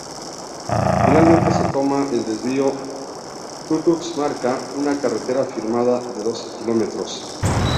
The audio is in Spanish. Finalmente se toma el desvío Chucchus-Marca, una carretera afirmada de doce kilómetros.